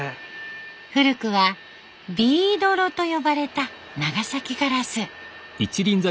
古くはビードロと呼ばれた長崎ガラス。